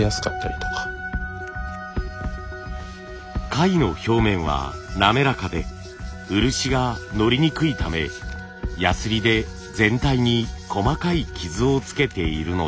貝の表面は滑らかで漆がのりにくいためヤスリで全体に細かい傷をつけているのです。